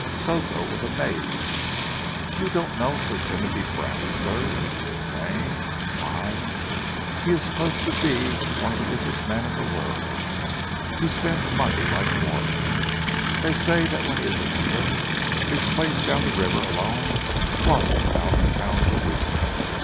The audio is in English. Soto was amazed. "You don't know Sir Timothy Brast, sir?" he exclaimed. "Why, he is supposed to be one of the richest men in the world! He spends money like water. They say that when he is in England, his place down the river alone costs a thousand pounds a week.